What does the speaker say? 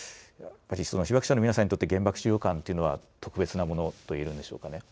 被爆者の皆さんにとって原爆資料館というのは、特別なものといえるんでしょうかね。